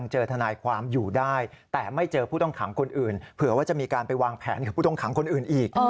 หรือว่าจะมีการไปวางแผนกับผู้ต้องขังคนอื่นอีก